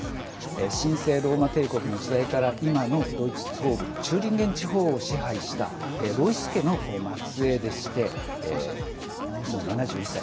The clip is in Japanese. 神聖ローマ帝国の時代から今のドイツ東部チューリンゲン地方を支配したロイス家の末えいでして今、７１歳。